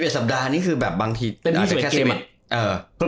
๑๑สัปดาห์นี่คือแบบบางทีอาจจะแค่๑๑